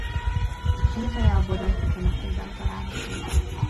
Sírhelye a bodajki temetőben található.